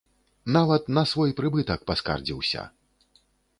Нават на свой прыбытак паскардзіўся!